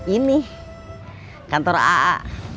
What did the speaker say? ini kantor aa